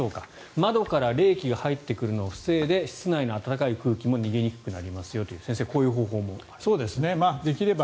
窓から冷気が入ってくるのを防いで、室内の暖かい空気も逃げにくくなりますよという先生、こういう方法もあると。